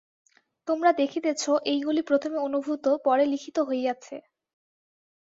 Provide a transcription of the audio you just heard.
তোমরা দেখিতেছ, এইগুলি প্রথমে অনুভূত, পরে লিখিত হইয়াছে।